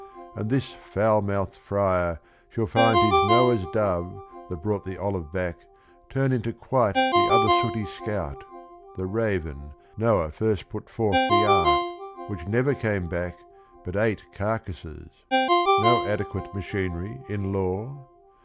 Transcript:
And this foul mouthed friar shall find His Noah's dove that brought the olive back Turn into quite the other sooty scout, The raven, Noah first put forth the ark, Which never came back, but ate carcasses 1 No adequate machinery in law?